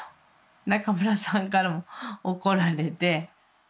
中村さんからも怒られて。